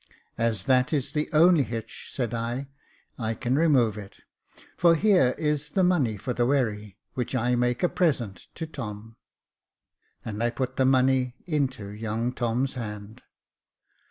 "As that is the only hitch," said I, "I can remove it, for here is the money for the wherry, which I make a present to Tom," and I put the money into young Tom's hand.